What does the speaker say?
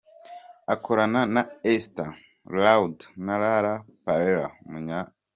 Akorana na Estee Lauder na La Perla.